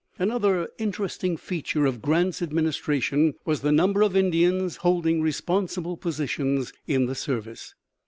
Another interesting feature of Grant's administration was the number of Indians holding responsible positions in the service.